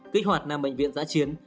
kích hoạt năm bệnh viện giã chiến